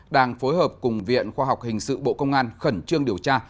đang phối hợp cùng viện khoa học hình sự bộ công an khẩn trương điều tra